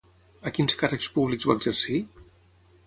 A quins càrrecs públics va exercir?